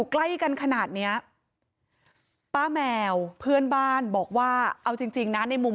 ใกล้กันขนาดเนี้ยป้าแมวเพื่อนบ้านบอกว่าเอาจริงจริงนะในมุม